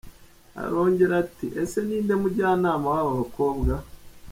Arongera ati, “Ese ninde mujyanama w’aba bakobwa?”.